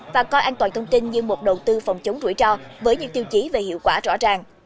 và coi an toàn thông tin như một đầu tư phòng chống rủi ro với những tiêu chí về hiệu quả rõ ràng